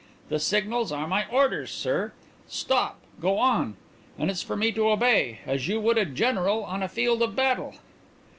The signals are my orders, sir stop! go on! and it's for me to obey, as you would a general on the field of battle.